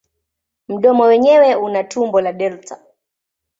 Mdomo wenyewe una umbo la delta.